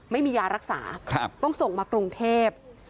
ไม่มียารักษาต้องส่งมากรุงเทพ